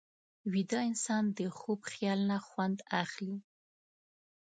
ویده انسان د خوب خیال نه خوند اخلي